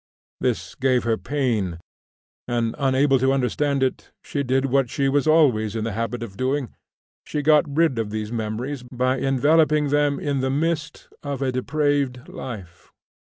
This gave her pain, and, unable to understand it, she did what she was always in the habit of doing, she got rid of these memories by enveloping them in the mist of a depraved life.